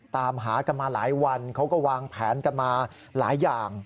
ตามหากันมาหลายวันเขาก็วางแผนกันมาหลายอย่าง